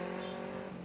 nggak ada pakarnya